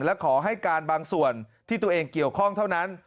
และขอให้การบางส่วนที่ตัวเองเกี่ยวข้องเท่านั้น